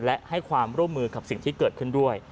และให้ความร่วมมือกับสิ่งที่เกิดขึ้นด้วย